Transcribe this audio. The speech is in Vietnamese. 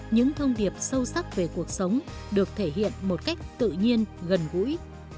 những thông điệp sâu sắc về cuộc sống được thể hiện một cách tự nhiên gần gũi